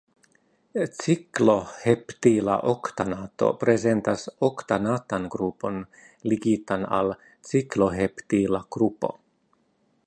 Cikloheptila oktanato prezentas oktanatan grupon ligitan al cikloheptila grupo.